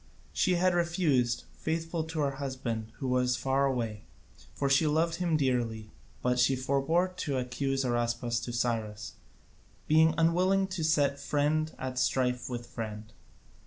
She had refused, faithful to her husband who was far away, for she loved him dearly, but she forbore to accuse Araspas to Cyrus, being unwilling to set friend at strife with friend.